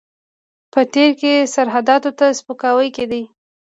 په تېر کې سرحداتو ته سپکاوی کېده.